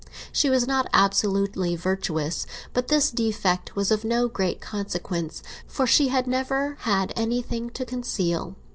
She was not absolutely veracious; but this defect was of no great consequence, for she had never had anything to conceal.